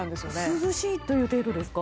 涼しいということですか？